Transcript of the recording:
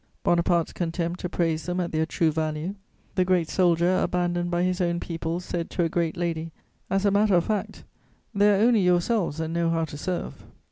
Bonaparte's contempt appraised them at their true value; the great soldier, abandoned by his own people, said to a great lady: "As a matter of fact, there are only yourselves that know how to serve."